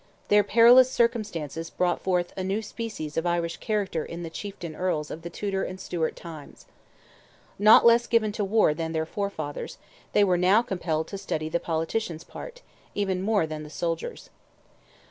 Their perilous circumstances brought forth a new species of Irish character in the Chieftain Earls of the Tudor and Stuart times. Not less given to war than their forefathers, they were now compelled to study the politician's part, even more than the soldier's.